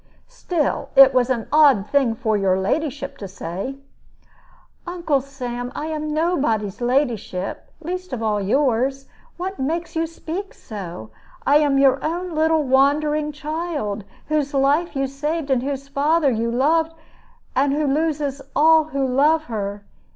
"Still, it was an odd thing for your ladyship to say." "Uncle Sam, I am nobody's ladyship, least of all yours. What makes you speak so? I am your own little wandering child, whose life you saved, and whose father you loved, and who loses all who love her.